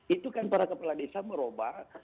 itu kan para kepala desa merubah